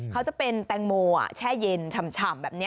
เขาจะเป็นแตงโมแช่เย็นฉ่ำแบบนี้